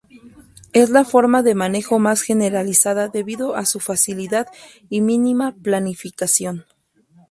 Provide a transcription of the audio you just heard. Es la forma de manejo más generalizada debido a su facilidad y mínima planificación.